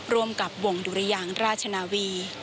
ร่วมกับวงดุรยางราชนาวี